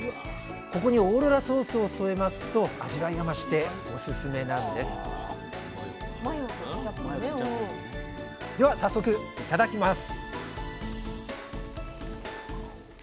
ここにオーロラソースを添えますと味わいが増してオススメなんですでは早速いただきます！